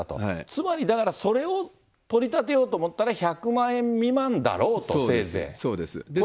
つまりだから、それを取り立てようと思ったら、１００万円未満だそうです。